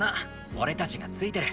俺たちがついてる。